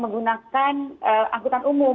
menggunakan angkutan umum